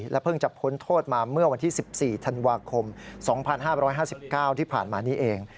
เพิ่งจะพ้นโทษมาเมื่อวันที่๑๔ธันวาคม๒๕๕๙ที่ผ่านมานี้เอง